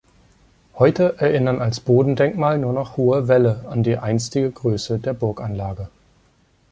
Heute erinnern als Bodendenkmal nur noch hohe Wälle an die einstige Größe der Burganlage.